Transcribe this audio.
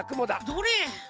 どれ？